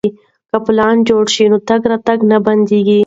که پلونه جوړ شي نو تګ راتګ نه بندیږي.